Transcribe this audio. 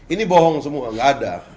ini bohong semua nggak ada